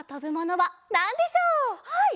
はい！